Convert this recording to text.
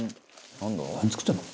「何作ってるの？」